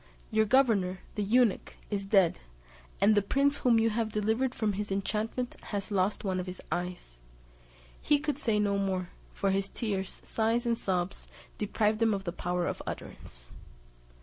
Your governor, the eunuch, is dead, and the prince whom you have delivered from his enchantment has lost one of his eyes." He could say no more, for his tears, sighs, and sobs, deprived him of the power of utterance.